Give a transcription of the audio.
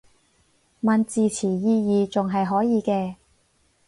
問字詞意義仲係可以嘅